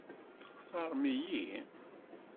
Textaṛem-iyi?